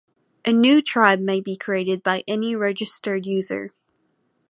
A new tribe may be created by any registered user.